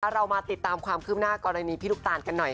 เรามาติดตามความขึ้นหน้ากรณีภิกษ์ทนุกตาลกันหน่อย